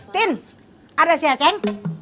tin ada si aken